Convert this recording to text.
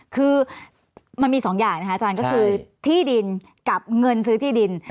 คือมันมีสองอย่างนะคะอาจารย์ก็คือที่ดินกับเงินซื้อที่ดิน